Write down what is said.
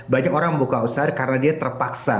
banyak orang buka usaha karena dia terpaksa